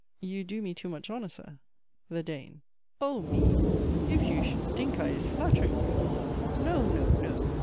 You do me too much honour, Sir. THE DANE. O me! if you should dink I is flattering you! No, no, no!